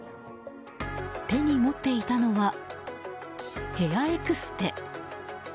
手に持っていたのはヘアエクステ。